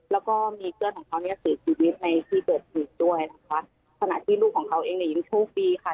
แล้วก็มีเพื่อนของเขาเนี่ยเสียชีวิตในที่เกิดเหตุด้วยนะคะขณะที่ลูกของเขาเองเนี่ยยังโชคดีค่ะ